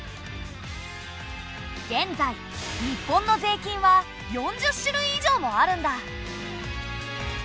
現在日本の税金は４０種類以上もあるんだ！